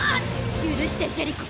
許してジェリコ。